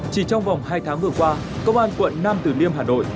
chỉ trong vòng hai tháng vừa qua công an quận nam từ liêm hà nội